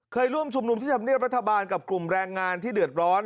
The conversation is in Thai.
เคยร่วมชุมนุมที่ธรรมเนียบรัฐบาลกับกลุ่มแรงงานที่เดือดร้อน